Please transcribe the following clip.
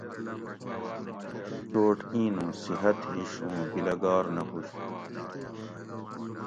چوٹ اِیں نُوں صحت ہِش اُوں بِلگار نہ ہُوش تہ